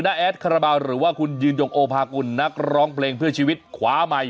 แอดคาราบาลหรือว่าคุณยืนยงโอภากุลนักร้องเพลงเพื่อชีวิตขวาใหม่